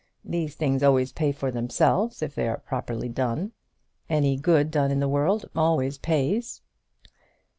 These things always pay for themselves if they are properly done. Any good done in the world always pays."